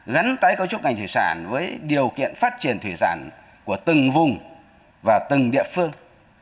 gắn tái cấu trúc ngành thủy sản với điều kiện phát triển thủy sản của từng vùng và từng địa phương